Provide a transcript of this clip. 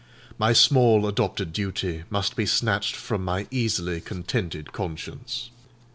My small adopted duty must be snatched from my easily contented conscience.